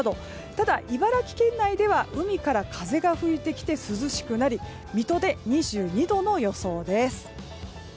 ただ、茨城県内では海から風が吹いてきて涼しくなり水戸で２２度の予想です。